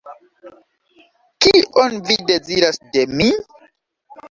Kion Vi deziras de mi?